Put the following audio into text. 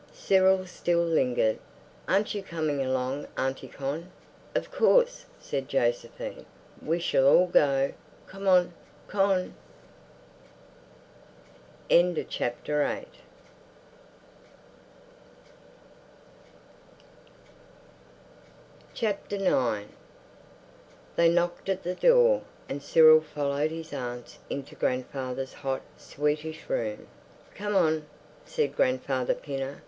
Cyril still lingered. "Aren't you coming along, Auntie Con?" "Of course," said Josephine, "we shall all go. Come on, Con." IX They knocked at the door, and Cyril followed his aunts into grandfather's hot, sweetish room. "Come on," said Grandfather Pinner.